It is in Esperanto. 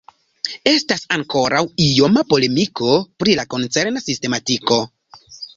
Estas ankoraŭ ioma polemiko pri la koncerna sistematiko.